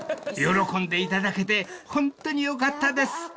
［喜んでいただけてホントによかったです］